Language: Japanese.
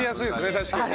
確かにね。